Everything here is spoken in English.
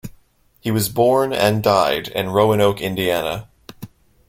He was born and died in Roanoke, Indiana.